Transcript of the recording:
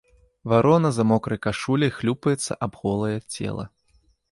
Варона за мокрай кашуляй хлюпаецца аб голае цела.